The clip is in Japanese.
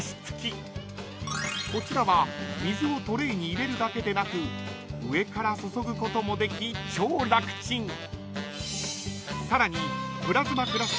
［こちらは水をトレーに入れるだけでなく上から注ぐこともでき超らくちん］